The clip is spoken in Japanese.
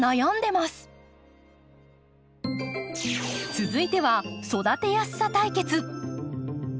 続いては育てやすさ対決！